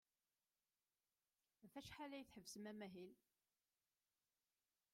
Ɣef wacḥal ay tḥebbsem amahil?